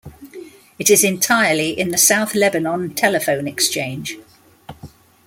It is entirely in the South Lebanon telephone exchange.